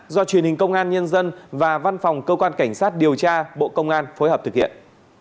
do truyền hình công an nhân dân và văn phòng cơ quan cảnh sát điều tra bộ công an phối hợp thực hiện